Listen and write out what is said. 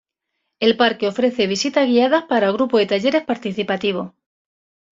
El parque ofrece visitas guiadas para grupos y talleres participativos.